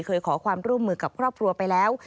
ขอความร่วมมือกับครอบครัวไปแล้ว